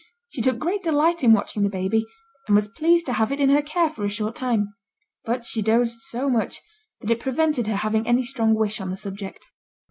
She took great delight in watching the baby, and was pleased to have it in her care for a short time; but she dozed so much that it prevented her having any strong wish on the subject.